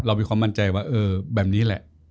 เรามีความมั่นใจว่าแบบนี้แหละ